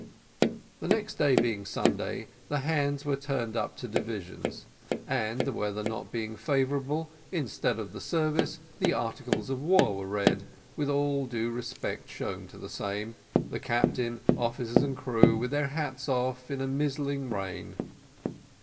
The next day being Sunday, the hands were turned up to divisions, and the weather not being favourable, instead of the Service, the articles of war were read with all due respect shown to the same, the captain, officers, and crew with their hats off in a mizzling rain.